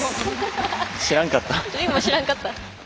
知らんかった。